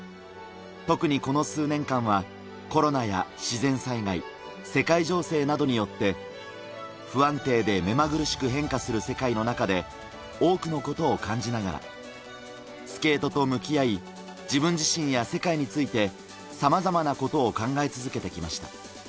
特にこの数年間は、コロナや自然災害、世界情勢などによって、不安定で目まぐるしく変化する世界の中で、多くのことを感じながら、スケートと向き合い、自分自身や世界について、さまざまなことを考え続けてきました。